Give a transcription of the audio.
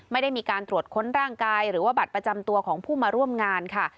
ไม่ได้มีการตรวจค้นร่างกายหรือว่าบัตรประจำตัวของผู้มาร่วมงานค่ะ